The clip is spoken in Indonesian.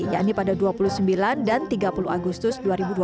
yakni pada dua puluh sembilan dan tiga puluh agustus dua ribu dua puluh